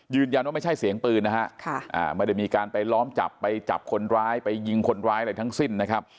ยืนยันว่าไม่ใช่เสียงปืนไม่ได้มีการไปล้อมจับไปจับคนร้ายไปยิงคนร้ายอะไรทั้งสิ้น